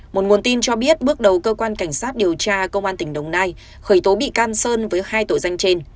một nguồn tin cho biết bước đầu cơ quan cảnh sát điều tra công an tỉnh đồng nai khởi tố bị can sơn với hai tội danh trên